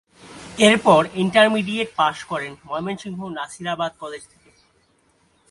এরপর ইন্টারমিডিয়েট পাশ করেন ময়মনসিংহ নাসিরাবাদ কলেজ থেকে।